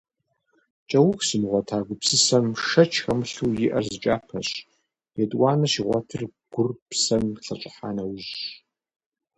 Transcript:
КӀэух зымыгъуэта гупсысэм, шэч хэмылъу, иӀэр зы кӀапэщ, етӀуанэр щигъуэтыр гур псэм лъэщӀыхьа нэужьщ.